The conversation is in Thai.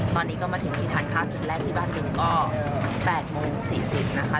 ตอนนี้ก็มาถึงที่ทานข้าวจุดแรกที่บ้านหนึ่งก็๘โมง๔๐นะคะ